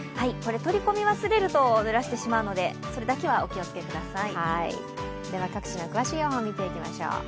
取り込み忘れるとぬらしてしまうのでそれだけはお気をつけください。